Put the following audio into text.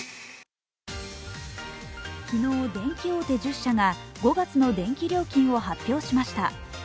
昨日、電気大手１０社が５月の電気料金を発表しました。